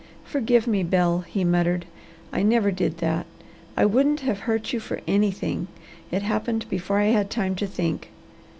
"Forgive me, Bel," he muttered. "I never did that. I wouldn't have hurt you for anything. It happened before I had time to think."